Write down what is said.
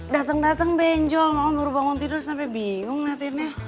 dateng dateng benjol mama baru bangun tidur sampe bingung ngeliatinnya